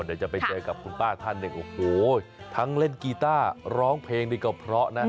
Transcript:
เดี๋ยวจะไปเจอกับคุณป้าท่านทั้งเล่นกีต้าร้องเพลงดีกว่าเพราะนะ